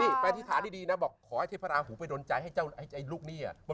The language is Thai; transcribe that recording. นี่แปลทิศฐานดีนะบอกขอให้เทพราหูไปดนตรายให้เจ้าไอ้ลูกนี้อ่ะ